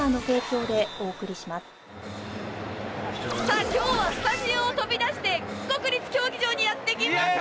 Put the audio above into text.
さあ今日はスタジオを飛び出して国立競技場にやって来ました！